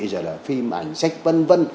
rồi là phim ảnh sách vân vân